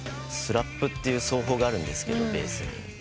スラップって奏法があるんですけどベースに。